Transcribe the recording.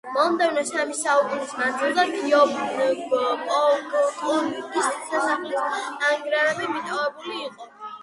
მომდევნო სამი საუკუნის მანძილზე გიეონგბოკგუნგის სასახლის ნანგრევები მიტოვებული იყო.